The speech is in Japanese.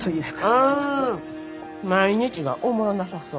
ああ毎日がおもろなさそう。